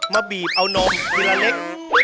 มาบีบเอานมทีละเล็ก